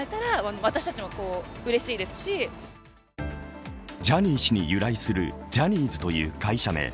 街の人はジャニー氏に由来するジャニーズという会社名。